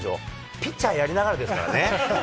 ピッチャーやりながらですからね。